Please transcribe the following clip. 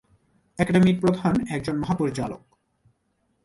একাডেমির প্রধান একজন মহাপরিচালক।